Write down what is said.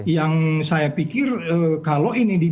yang saya pikir kalau ini di